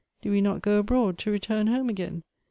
Do we not go abroad to return home again